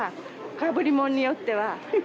かぶりものによっては。